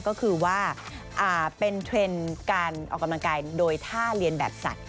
ก็คือว่าเป็นเทรนด์การออกกำลังกายโดยท่าเรียนแบบสัตว